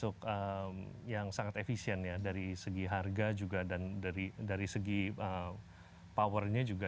bahan aktif ini termasuk yang sangat efisien ya dari segi harga juga dan dari segi powernya juga